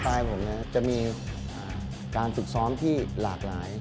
สไตล์ผมจะมีการปรึกซ้อมที่หลากหลาย